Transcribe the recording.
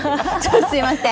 すみません。